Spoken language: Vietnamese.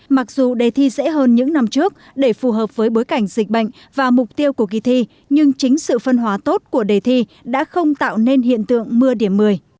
mặc dù đề thi dễ hơn những năm trước để phù hợp với bối cảnh dịch bệnh và mục tiêu của kỳ thi nhưng chính sự phân hóa tốt của đề thi đã không tạo nên hiện tượng mưa điểm một mươi